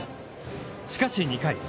しかし、２回。